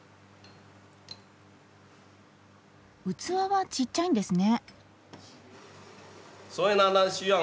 器はちっちゃいんですね。